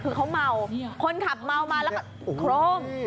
คือเขาเมาคนขับเมามาแล้วก็โครม